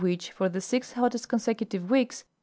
(71°.6 F.) for the six hottest consecutive weeks.